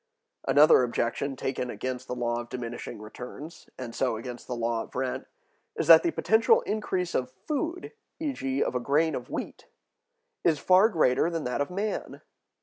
Another objection taken against the law of diminishing returns, and so against the law of rent, is that the potential increase of food, e.g., of a grain of wheat, is far greater than that of man.